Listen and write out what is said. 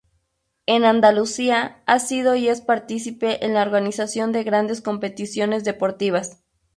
En Andalucía ha sido y es partícipe en la organización de grandes competiciones deportivas.